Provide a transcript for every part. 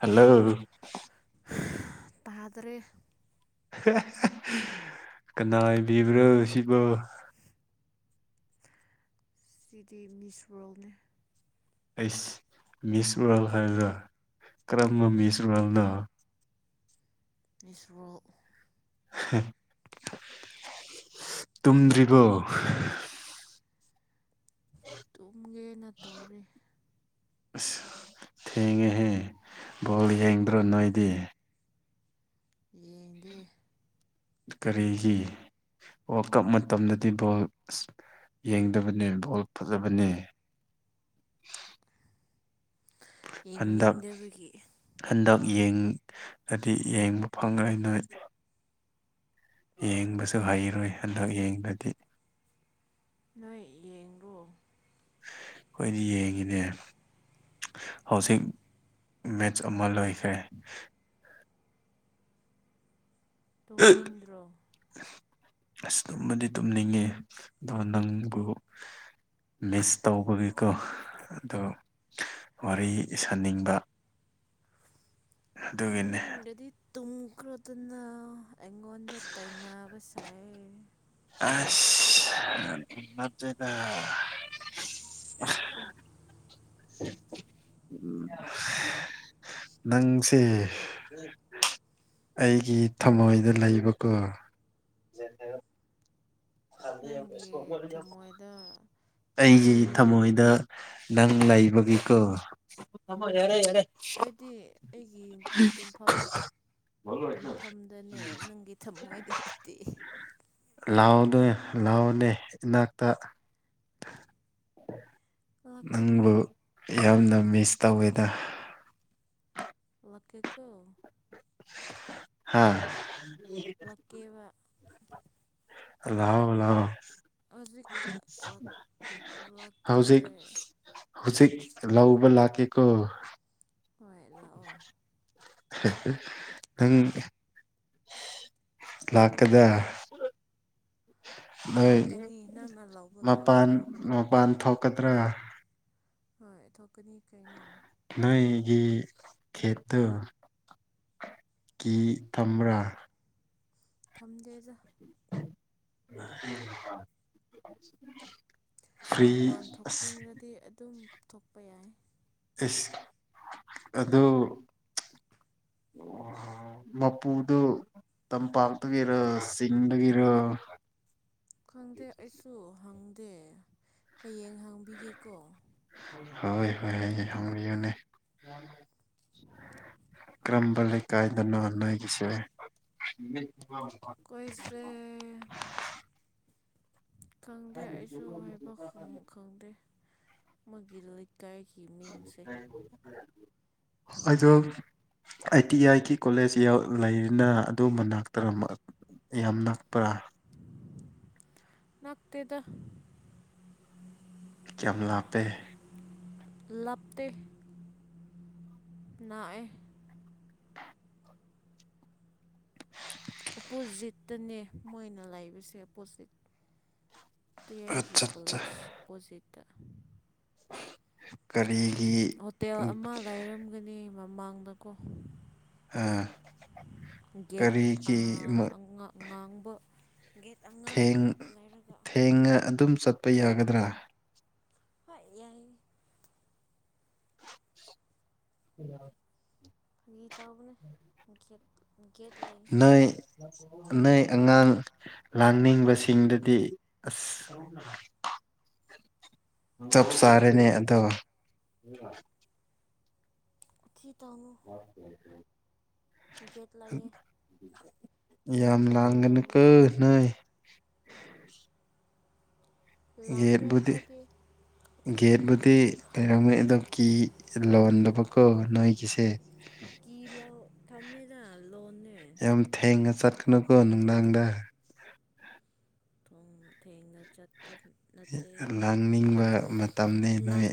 ꯍꯂꯣꯜ [unintelligible] ꯇꯥꯗꯔꯦ ꯀꯅꯥ ꯑꯣ ꯕꯤꯕ꯭ꯔꯣ ꯁꯤꯕꯨ [unintelligible] ꯁꯤꯗꯤ ꯃꯤꯁ ꯋꯥꯔꯜꯅꯦ ꯑꯩꯁ ꯃꯤꯁ ꯋꯥꯔꯜ ꯍꯥꯏꯔꯗ ꯀꯔꯝꯕ ꯎꯝ ꯃꯤꯁ ꯋꯥꯔꯜꯅꯣ ꯏꯁ꯭ꯔꯣ ꯇꯨꯝꯗ꯭ꯔꯤꯕꯣ ꯇꯨꯝꯒꯦꯅ ꯇꯧꯔꯦ ꯑꯁ ꯊꯦꯡꯉꯦꯍꯦ ꯕꯣꯜ ꯌꯦꯡꯗ꯭ꯔꯣ ꯅꯣꯏꯗꯤ ꯌꯦꯡꯗꯦ ꯀꯔꯤꯒꯤ ꯋꯥꯔꯜ ꯀꯞ ꯃꯇꯝꯗꯗꯤ ꯕꯣꯜ ꯌꯦꯡꯗꯕꯅꯦ ꯕꯣꯜ ꯐꯖꯕꯅꯦ ꯍꯟꯗꯛ ꯌꯦꯡꯅꯤꯡꯗꯕꯒꯤ ꯍꯟꯗꯛ ꯌꯦꯡꯒꯗꯤ ꯌꯦꯡꯕ ꯐꯪꯉꯥꯔꯣꯏ ꯌꯦꯡꯕꯁꯨ ꯍꯩꯔꯣꯏ ꯍꯟꯗꯛ ꯌꯦꯡꯗꯗꯤ ꯅꯣꯏ ꯌꯦꯡꯗꯣ ꯑꯩꯈꯣꯏꯗꯤ ꯌꯦꯡꯉꯤꯅꯦ ꯍꯧꯖꯤꯛ ꯃꯦꯠꯆ ꯑꯃ ꯂꯣꯏꯈ꯭ꯔꯦ ꯇꯨꯝꯅꯤꯡꯗ꯭ꯔꯣ ꯑꯁ ꯇꯨꯝꯃꯗꯤ ꯇꯨꯝꯅꯤꯡꯉꯦ ꯑꯗꯣ ꯅꯪꯕꯨ ꯃꯤꯁ ꯇꯧꯕꯒꯤꯀꯣ ꯑꯗꯣ ꯋꯥꯔꯤ ꯁꯥꯅꯤꯡꯕ ꯑꯗꯨꯒꯤꯅꯦ ꯇꯨꯝꯅꯤꯡꯂꯗꯤ ꯇꯨꯝꯈ꯭ꯔꯗꯨꯅ ꯑꯩꯉꯣꯟꯗ ꯇꯩꯅꯕ ꯁꯥꯏ ꯑꯁ ꯅꯠꯇꯦꯗ ꯎ ꯅꯪꯁꯦ ꯎꯝ [unintelligible] ꯑꯩꯒꯤ ꯊꯝꯃꯣꯏꯗ ꯂꯩꯕꯀꯣ ꯌꯦ [inaudible] ꯅꯪꯒꯤ ꯊꯃꯣꯏꯗ ꯇꯤꯇꯨ ꯑꯩꯁꯤ ꯊꯃꯣꯏꯗ ꯅꯪ ꯂꯩꯕꯒꯤꯀꯣ ꯑꯩꯗꯤ ꯑꯩꯒꯤ ꯇꯨꯝꯐꯝ ꯇꯨꯝꯐꯝꯗꯅꯦ ꯅꯪꯒꯤ ꯊꯃꯣꯏꯗ ꯅꯠꯇꯦ ꯂꯥꯎꯗꯦ ꯂꯥꯎꯅꯦ ꯏꯅꯥꯛꯇ ꯂꯥꯛꯀꯅꯤ ꯅꯪꯕꯨ ꯌꯥꯝꯅ ꯃꯤꯁ ꯇꯧꯋꯦꯗ ꯂꯛꯒꯦ ꯒꯣ ꯍꯥꯥ ꯂꯛꯀꯦꯕ ꯂꯥꯎ ꯂꯥꯎꯑꯣ ꯍꯧꯖꯤꯛ ꯂꯥꯛ ꯂꯥꯛꯀꯦ ꯍꯧꯖꯤꯛ ꯍꯧꯖꯤꯛ ꯂꯧꯕ ꯂꯥꯛꯀ‌ꯦꯀ‌ꯣ ꯍꯣꯏ ꯂꯥꯛꯑꯣ ꯅꯪ ꯂꯥꯛꯀ‌ꯦꯗ ꯅꯣꯏ ꯂꯥꯛꯀꯅꯤ ꯅꯪꯅ ꯂꯧꯕ ꯃꯄꯥꯟ ꯂꯥꯛꯑꯗꯤ ꯃꯄꯥꯟ ꯊꯣꯛꯀꯗ꯭ꯔꯥ ꯍꯣꯏ ꯊꯣꯛꯀꯅꯤ ꯀꯩꯅꯣ ꯅꯣꯏꯒꯤ ꯈꯦꯠꯇꯨ ꯀꯤ ꯊꯝꯕ꯭ꯔꯥ ꯊꯝꯗꯦꯗ [unintelligible] ꯐ꯭ꯔꯤ ꯃꯄꯥꯟ ꯑꯁ ꯊꯣꯛꯅꯤꯡꯔꯗꯤ ꯑꯗꯨꯝ ꯊꯣꯛꯄ ꯌꯥꯏ ꯑꯦꯁ ꯑꯗꯨ ꯃꯄꯨꯗꯨ ꯇꯝꯄꯥꯛꯇꯒꯤꯔ ꯆꯤꯡꯗꯒꯤꯔ ꯈꯪꯗꯦ ꯑꯩꯁꯨ ꯍꯪꯗꯦ ꯍꯌꯦꯡ ꯍꯪꯕꯤꯒꯦꯀꯣ ꯍꯣꯏ ꯍꯣꯏ ꯍꯪꯕꯤꯌꯣꯅꯦ ꯀꯔꯝꯕ ꯂꯩꯀꯥꯏꯗꯅ‌ꯣ ꯅ‌ꯣꯏꯒꯤꯁꯦ [unintelligible] ꯑꯩꯈ‌ꯣꯏꯁ‌ꯦ ꯈꯪꯗꯦ ꯑꯩꯁꯨ ꯍꯥꯏꯕ ꯈꯪ ꯈꯪꯗꯦ ꯃ‌ꯣꯏꯒꯤ ꯂꯩꯀꯥꯏꯒꯤ ꯃꯤꯡꯁꯦ ꯑꯗ‌ꯣ I T I T college ꯍꯧ ꯂꯩꯔꯤꯅ ꯑꯗꯨ ꯃꯅꯥꯛꯇꯔꯣ ꯌꯥꯝ ꯅꯛꯄꯔꯥ ꯅꯛꯇ‌ꯦꯗ ꯀꯌꯥꯝ ꯂꯥꯞꯄꯦ ꯂꯞꯇ‌ꯦ ꯅꯛꯑꯦ ꯑꯣꯄꯣꯖꯤꯠꯇꯅꯦ ꯃꯣꯏꯅ ꯂꯩꯕꯁꯦ ꯑꯣꯄꯣꯖꯤꯠ ꯇꯤ ꯑꯦꯒꯤ ꯑꯠꯆꯥ ꯑꯠꯆꯥ ꯀꯣꯂꯦꯖ ꯑꯣꯄꯣꯖꯤꯠꯇ ꯀꯔꯤꯒꯤ ꯍꯣꯇꯦꯜ ꯑꯃ ꯂꯩꯥꯔꯝꯒꯅꯤ ꯃꯃꯥꯡꯗꯀꯣ ꯒꯦꯠ ꯑ ꯀꯔꯤꯒꯤ ꯑꯉꯥꯡ ꯑꯉꯥꯡꯕ ꯒꯦꯠ ꯑꯉꯥꯡꯕ ꯊ‌ꯦꯡ ꯂꯩꯔꯒ ꯊꯦꯡꯉ ꯑꯗꯨꯝ ꯆꯠꯄ ꯌꯥꯒꯗ꯭ꯔꯥ ꯍ‌ꯣꯏ ꯌꯥꯏꯌ‌ꯦ꯫ [inaudible] ꯐꯒꯤ ꯇꯧꯕꯅꯦ ꯒꯦꯠ ꯒꯦꯠ ꯂꯩ꯫ ꯅ‌ꯣꯏ ꯑꯉꯥꯡ ꯂꯥꯡꯅꯤꯡꯕꯁꯤꯡꯗꯨꯗꯤ ꯑꯁ꯫ ꯆꯞ ꯆꯥꯔꯦꯅꯦ ꯑꯗ‌ꯣ꯫ ꯋꯥꯊꯤ ꯇꯧꯅꯨ [inaudible] ꯒꯦꯠ ꯂꯩꯌꯦ [unintelligible] ꯑꯩꯅ ꯌꯥꯝ ꯐꯥꯒꯤ ꯇꯧꯕꯅꯦ ꯂꯥꯡꯒꯅꯨꯀ‌ꯣ ꯅꯣꯏ ꯂꯥꯡꯗꯦ ꯒꯦꯠꯕꯨꯨꯗꯤ ꯑꯩꯈꯣꯏꯗꯤ ꯒꯦꯠꯕꯨꯨꯗꯤ ꯂꯩꯔꯝꯅꯤ ꯑꯗ‌ꯣ ꯀꯤ ꯆꯤꯜ ꯂꯣꯟꯗꯕꯀ‌ꯣ ꯅꯣꯏꯒꯤꯁꯦ꯫ ꯀꯤꯂ‌ꯣꯛ ꯊꯝꯃꯦꯗ ꯂꯣꯟ__ ꯌꯥꯝ ꯊꯦꯡꯅ ꯆꯠꯀꯅꯨꯀꯣ ꯅꯨꯡꯗꯥꯡꯗ ꯊ‌ꯣꯡ ꯊꯦꯡꯅ ꯆꯠꯄ ꯅꯠꯇ‌ꯦ ꯂꯥꯡꯅꯤꯡꯕ ꯃꯇꯝꯅꯤ ꯅꯣꯏ ꯂꯥꯡ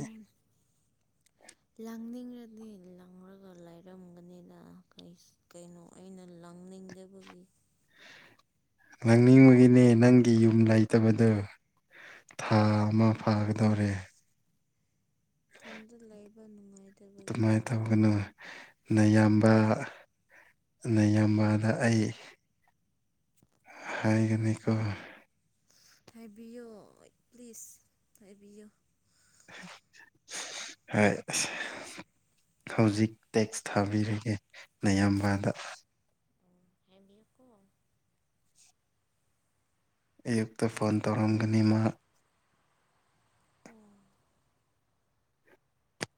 ꯂꯥꯡꯅꯤꯡꯔꯗꯤ ꯂꯥꯡꯔꯒ ꯂꯩꯔꯝꯒꯅꯤꯗ ꯀꯩꯁ ꯀꯩꯅꯣ ꯑꯩꯅ ꯂꯥꯡꯅꯤꯡꯗꯕꯒꯤ ꯑꯗꯨꯝ ꯂꯥꯡꯅꯤꯡꯕꯒꯤꯅꯦ ꯂꯩꯕꯅꯦ ꯅꯪꯒꯤ ꯌꯨꯝ ꯂꯩ ꯇꯕꯗ‌ꯣ ꯊꯥ ꯑꯃ ꯐꯥꯒꯗꯧꯔꯦ꯫ ꯏꯊꯟꯇ ꯂꯩꯕ ꯅꯨꯡꯉꯥꯏꯇꯕꯒꯤ ꯑꯗꯨꯃꯥꯏꯅ ꯂꯩꯕꯅꯤꯗ꯫ ꯇꯧꯒꯅꯨ ꯅꯌꯥꯝꯕ ꯑꯍ ꯅꯌꯥꯝꯕꯗ ꯑꯩ [inaudible] ꯍꯥꯏꯒꯅꯤꯀꯣ ꯍꯥꯏꯕꯤꯌꯣ ꯄ꯭ꯂꯤꯖ ꯍꯥꯏꯕꯤꯌꯨ ꯍꯣꯏ ꯍꯧꯖꯤꯛ ꯇꯦꯛꯁ ꯊꯥꯕꯤꯔꯒꯦ ꯅꯌꯥꯝꯕꯥꯗ [unintelligible] ꯀꯣ ꯑꯌꯨꯛꯇ ꯐꯣꯟ ꯇꯧꯔꯝꯒꯅꯤ ꯃꯥ ꯑꯣ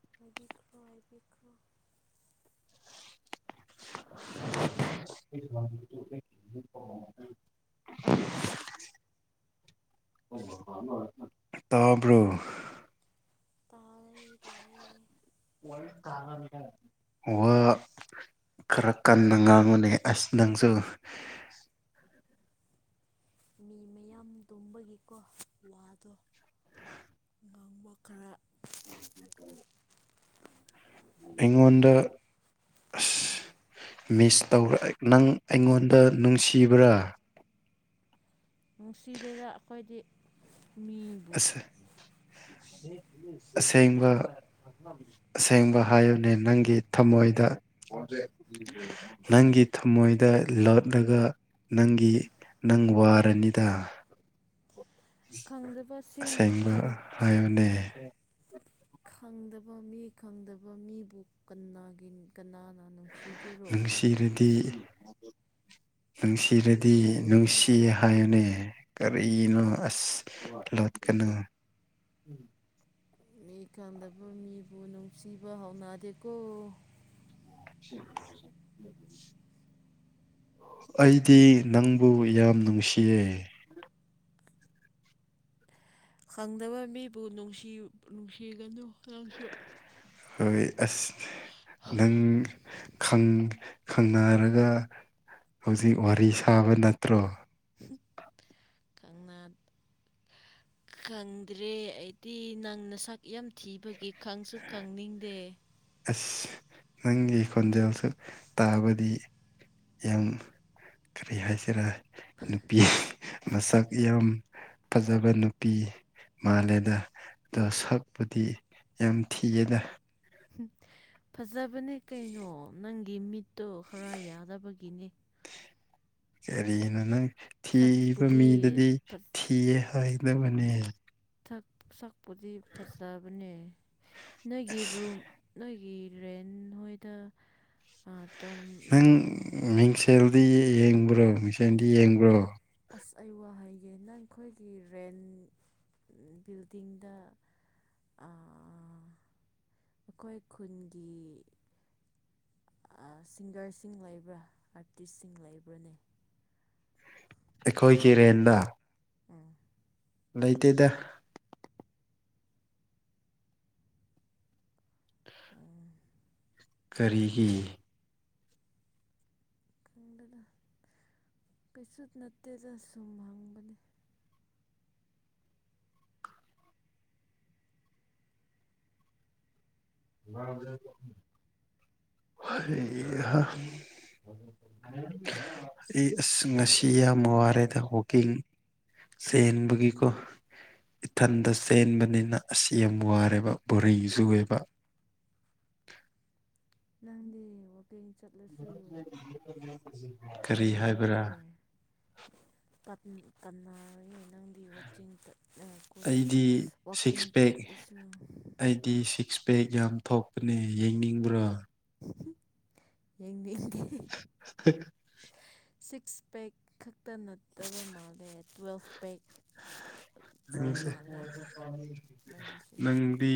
[unintelligible] [inaudible] [inaudible] ꯇꯕ꯭ꯔꯣ? ꯇꯥꯔꯩ ꯇꯥꯏꯌꯦ ꯋꯥ ꯈꯔ ꯀꯟꯅ ꯉꯥꯡꯉꯨꯅꯦ ꯑꯁ ꯅꯪꯖꯨ ꯃꯤ ꯃꯌꯥꯝ ꯇꯨꯝꯕꯒꯤꯀꯣ ꯋꯥꯗꯣ ꯉꯥꯡꯕ ꯈꯔ ꯑꯩꯉꯣꯟꯗ [unintelligible] ꯑꯁ ꯃꯤꯁ ꯇꯧꯕ꯭ꯔ ꯅꯪ ꯑꯩꯉꯣꯟꯗ ꯅꯨꯡꯁꯤꯕ꯭ꯔꯥ ꯅꯨꯡꯁꯤꯗꯦꯗ ꯑꯩꯈꯣꯏꯗꯤ ꯃꯤ ꯑꯁ ꯑꯁꯦꯡꯕ ꯑꯁꯦꯡꯕ ꯍꯥꯏꯌꯨꯅꯦ ꯅꯪꯒꯤ ꯊꯝꯃꯣꯏꯗ ꯅꯪꯒꯤ ꯊꯃꯣꯏꯗ ꯂꯠꯂꯒ ꯅꯪꯒꯤ ꯅꯪ ꯋꯥꯔꯅꯤꯗ ꯈꯪꯗꯕꯁꯤꯡ ꯑꯁꯦꯡꯕ ꯍꯥꯏꯌꯨꯅꯦ ꯈꯪꯗꯕ ꯃꯤ ꯈꯪꯗꯕ ꯃꯤꯕꯨ ꯀꯅꯥꯒꯤ ꯀꯅꯥꯅ ꯅꯨꯡꯁꯤꯒꯦꯔꯣ ꯢꯔꯗꯤ ꯅꯨꯡꯁꯤꯔꯗꯤ ꯅꯨꯡꯁꯤ ꯍꯥꯏꯌꯨꯅꯦ ꯀꯔꯤꯅꯣ ꯑꯁ ꯂꯣꯠꯒꯅꯨ ꯃꯤ ꯈꯪꯗꯕ ꯃꯤꯕꯨ ꯅꯨꯡꯁꯤꯕ ꯍꯥꯎꯅꯗꯦꯀꯣ ꯎꯝ [unintelligible] ꯑꯩꯗꯤ ꯅꯪꯕꯨ ꯌꯥꯝ ꯅꯨꯡꯁꯤꯌꯦ ꯈꯪꯗꯕ ꯃꯤꯕꯨ ꯅꯨꯡꯁꯤ ꯅꯨꯡꯁꯤꯒꯅꯨ ꯅꯪꯁꯨ ꯍꯣꯏ ꯑꯁ ꯅꯪ ꯈꯪꯅꯔꯒ ꯍꯧꯖꯤꯛ ꯋꯥꯔꯤ ꯁꯥꯕ ꯅꯠꯇ꯭ꯔꯣ ꯅꯪꯅ ꯈꯪꯗ꯭ꯔꯦ ꯑꯩꯗꯤ ꯅꯪ ꯅꯥꯁꯛ ꯌꯥꯝ ꯊꯤꯕꯒꯤ ꯈꯪꯁꯨ ꯈꯪꯅꯤꯡꯗꯦ ꯑꯁ ꯅꯪꯒꯤ ꯈꯣꯟꯖꯦꯜꯁꯨ ꯇꯥꯕꯗꯤ ꯌꯥꯝ ꯀꯔꯤ ꯍꯥꯏꯁꯤꯔ ꯅꯨꯄꯤ ꯃꯁꯛ ꯌꯥꯝ ꯐꯖꯕ ꯅꯨꯄꯤ ꯃꯥꯜꯂꯦꯗ ꯑꯗꯣ ꯁꯛꯄꯨꯗꯤ ꯌꯥꯝ ꯊꯤꯌꯦꯗ ꯎꯝ [unintelligible] ꯐꯖꯕꯅꯦ ꯀꯩꯅꯣ ꯅꯪꯒꯤ ꯃꯤꯠꯇꯣ ꯈꯔ ꯌꯥꯗꯕꯒꯤꯅꯦ ꯀꯔꯤꯅꯣ ꯅꯪ ꯊꯤꯕ ꯁꯛꯄꯨꯗꯤ ꯃꯤꯗꯗꯤ ꯐꯖ ꯊꯤꯌꯦ ꯍꯥꯏꯗꯕꯅꯦ ꯁꯛꯄꯨꯗꯤ ꯐꯖꯕꯅꯦ ꯅꯣꯏꯒꯤ ꯔꯨꯝ ꯅꯣꯏꯒꯤ ꯔꯦꯟ ꯅꯣꯏꯗ ꯇꯝ [unintelligible] ꯁꯦꯜꯗꯤ ꯌꯦꯡꯕ꯭ꯔꯣ ꯃꯤꯁꯦꯟꯗꯤ ꯌꯦꯡꯕ꯭ꯔꯣ ꯑꯁ ꯑꯩ ꯋꯥ ꯍꯥꯢꯒꯦ ꯅꯪ ꯑꯩꯈꯣꯏꯒꯤ ꯔꯦꯟ ꯕꯤꯜꯗꯤꯡꯗ ꯑꯥ ꯑꯩꯈꯣꯏ ꯈꯨꯟꯒꯤ ꯑ ꯁꯤꯡꯒꯔꯁꯤꯡ ꯂꯩꯕ꯭ꯔꯥ ꯑꯥꯔꯇꯤꯁꯁꯤꯡ ꯂꯩꯕ꯭ꯔꯥꯅꯦ ꯑꯩꯈꯣꯏꯒꯤ ꯔꯦꯟꯗ ꯎꯝ ꯂꯩꯇꯦꯗ ꯎꯝ ꯀꯔꯤꯒꯤ ꯈꯪꯗꯦꯗ ꯀꯩꯁꯨ ꯅꯠꯇꯦꯗ ꯁꯨꯝ ꯍꯪꯕꯅꯤ [inaudible] ꯍꯩꯍꯥ [unintelligible] ꯑꯩ ꯑꯁ ꯉꯁꯤ ꯌꯥꯝ ꯋꯥꯔꯦꯗ ꯋꯥꯛꯀꯤꯡ ꯆꯦꯟꯕꯒꯤꯀꯣ ꯏꯊꯟꯇ ꯆꯦꯟꯕꯅꯤꯅ ꯑꯁ ꯌꯥꯝ ꯋꯥꯔꯦꯕ ꯕꯣꯔꯔꯤꯡ ꯆꯨꯑꯦꯕ ꯅꯪꯗꯤ ꯌꯦꯡꯉꯣ ꯀꯤꯡ ꯆꯠꯂꯁꯨ ꯀꯔꯤ ꯍꯥꯏꯕ꯭ꯔꯥ ꯀꯅꯥꯔꯣꯏꯌꯦ ꯇꯠ ꯀꯅꯥꯔꯣꯏꯌꯦ ꯅꯪ ꯒꯤ ꯋꯥꯆꯤꯡ ꯆꯠ ꯂ ꯀꯣ ꯑꯩꯗꯤ ꯋꯥꯀꯤꯡ ꯁꯤꯛꯁ ꯄꯦꯛ ꯆꯠꯂꯁꯨ ꯑꯩꯗꯤ ꯁꯤꯛꯁ ꯄꯦꯛ ꯌꯥꯝ ꯊꯣꯛꯄꯅꯦ ꯌꯦꯡꯅꯤꯡꯕ꯭ꯔꯣ? ꯍꯨꯝ! ꯌꯦꯡꯅꯤꯡꯗꯦ꯫ ꯁꯤꯛꯁ ꯄꯦꯛ ꯈꯛꯇ ꯅꯠꯇꯕ ꯃꯥꯜꯂꯦ ꯇ꯭ꯋꯦꯜꯐ ꯄꯦꯛ ꯌꯦꯡꯉꯣ ꯁꯦ ꯃꯥꯜꯂꯦ ꯅꯪꯒꯤꯁꯦ ꯅꯪꯗꯤ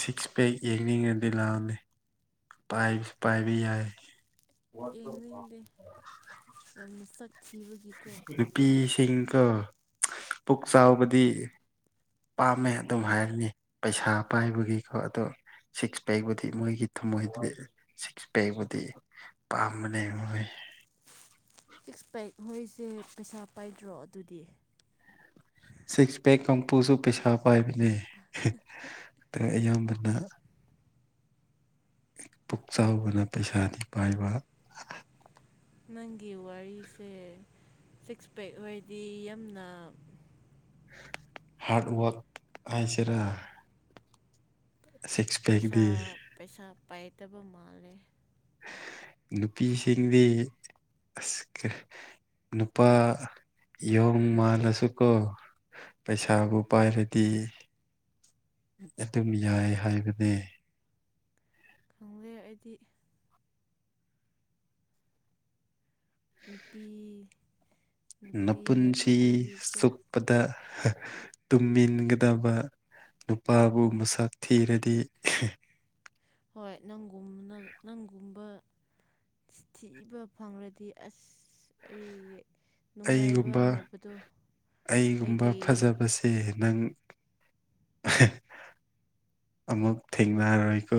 ꯁꯤꯛꯁ ꯄꯦꯛ ꯌꯦꯡꯅꯤꯡꯉꯗꯤ ꯂꯥꯛꯑꯣꯅꯦ꯫ ꯄꯥꯏꯁꯨ ꯄꯥꯏꯕ ꯌꯥꯏ ꯌꯦꯡꯅꯤꯡꯗꯦ ꯌꯥꯝꯅ ꯁꯛ ꯊꯤꯕꯒꯤ꯫ ꯅꯨꯄꯤꯁꯤꯡꯀꯣ ꯄꯨꯛ ꯆꯥꯎꯕꯗꯤ ꯄꯥꯝꯃꯦ ꯑꯗꯨꯝ ꯍꯥꯏꯕꯅꯤ ꯄꯩꯁꯥ ꯄꯥꯏꯕꯒꯤꯀꯣ ꯑꯗꯣ ꯁꯤꯛꯁ ꯄꯦꯛꯕꯨꯗꯤ ꯃꯣꯏꯒꯤ ꯊꯝꯃꯣꯏꯗꯨꯗꯤ ꯁꯤꯛꯁ ꯄꯦꯛꯕꯨꯗꯤ ꯄꯝꯕꯅꯦ ꯃꯣꯏ ꯁꯤꯛꯁ ꯄꯦꯛ ꯍꯣꯏꯁꯦ ꯄꯩꯁꯥ ꯄꯥꯏꯗ꯭ꯔꯣ ꯑꯗꯨꯗꯤ ꯁꯤꯛꯁ ꯄꯦꯛ ꯀꯥꯡꯄꯨꯁꯨ ꯄꯩꯁꯥ ꯄꯥꯏꯕꯅꯦ ꯑ ꯑꯌꯥꯝꯕꯅ ꯄꯨꯛ ꯆꯥꯎꯕꯅ ꯄꯩꯁꯥꯗꯤ ꯄꯥꯏꯕ ꯅꯪꯒꯤ ꯋꯥꯔꯤꯁꯦ ꯁꯤꯛꯁ ꯄꯦꯛ ꯍꯣꯏꯗꯤ ꯌꯥꯝꯅ ꯍꯥꯔꯗ ꯋꯥꯔꯛ ꯍꯥꯏꯁꯤꯔꯥ? ꯁꯤꯛꯁ ꯄꯩꯁꯥ ꯄꯦꯛꯗꯤ ꯄꯩꯁꯥ ꯄꯥꯏꯇꯕ ꯃꯥꯜꯂꯦ ꯅꯨꯄꯤ ꯁꯤꯡꯗꯤ ꯑꯁ ꯀ ꯅꯨꯄꯥ ꯌꯣꯡ ꯃꯥꯜꯂꯁꯨꯀꯣ ꯄꯩꯁꯥꯕꯨ ꯄꯥꯏꯔꯗꯤ ꯑꯗꯨꯝ ꯌꯥꯏ ꯍꯥꯏꯕꯅꯦ꯫ ꯈꯪꯗꯦ ꯑꯩꯗꯤ ꯅꯨꯄꯤ ꯅꯨꯄꯤ ꯅꯄꯨꯟꯁꯤ ꯅꯠꯇꯕꯒꯤꯀꯣ ꯆꯨꯞꯄꯗ ꯍꯥ ꯇꯨꯝꯃꯤꯟꯒꯗꯕ ꯅꯨꯄꯥꯕꯨ ꯃꯁꯛ ꯊꯤꯔꯗꯤ ꯍꯣꯏ ꯅꯪꯒꯨꯝꯅ ꯅꯪꯒꯨꯝꯕ ꯊꯤꯕ ꯐꯪꯔꯥꯗꯤ ꯑꯁ ꯑꯩ ꯅꯨꯡꯉꯥꯏꯕ ꯑꯩꯒꯨꯝꯕ ꯍꯥꯏꯕꯗꯣ ꯑꯩꯒꯤ ꯑꯦ ꯅꯪ ꯑꯃꯨꯛ ꯊꯦꯡꯅꯔꯣꯏꯀꯣ꯫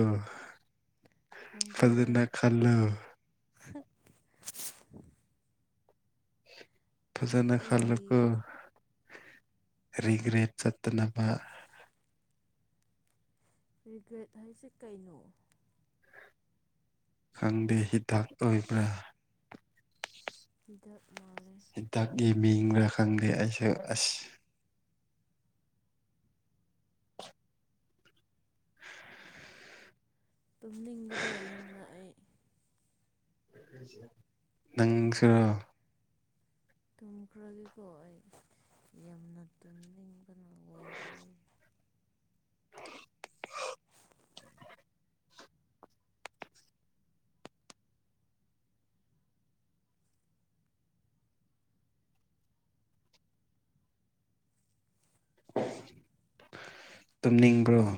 ꯈꯪꯗꯦꯗ ꯐꯖꯅ ꯈꯜꯂꯨ ꯍꯥ ꯐꯖꯅ ꯑꯩꯒꯤ ꯈꯜꯂꯣꯀꯣ ꯔꯤꯒ꯭ꯔꯦꯠ ꯆꯠꯇꯅꯕ ꯔꯤꯒ꯭ꯔꯦꯠ ꯍꯥꯏꯁꯦ ꯀꯩꯅꯣ? ꯈꯪꯗꯦ, ꯍꯤꯗꯥꯛ ꯑꯣꯏꯕ꯭ꯔꯥ? ꯗꯛ ꯃꯥꯜꯂꯦ ꯗꯛꯒꯤ ꯃꯤꯡ ꯔꯥ ꯈꯪꯗꯦ ꯑꯩꯁꯦ ꯑꯁ꯫ ꯇꯨꯝꯅꯤꯡꯕꯗꯣ ꯌꯥꯝꯅ ꯑꯩ꯫ ꯅꯪꯁꯨꯔꯣ? ꯇꯨꯝꯈ꯭ꯔꯒꯦꯀꯣ ꯑꯩ ꯌꯥꯝꯅ ꯇꯨꯝꯅꯤꯡꯕꯅ ꯂꯣꯏꯈꯔ꯭ꯦ꯫ ꯎꯝ [unintelligible] ꯇꯨꯝꯅꯤꯡꯕ꯭ꯔꯣ